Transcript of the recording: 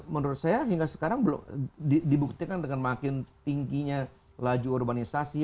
menurut saya hingga sekarang dibuktikan dengan makin tingginya laju urbanisasi